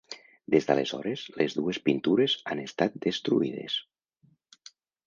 Des d'aleshores, les dues pintures han estat destruïdes.